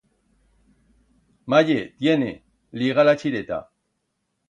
Maye, tiene, liga la chireta.